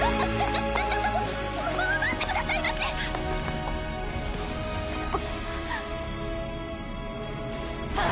ちょっちょっとまま待ってくださいましは